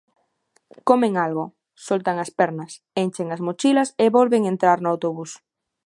Comen algo, soltan as pernas, enchen as mochilas e volven entrar no autobús.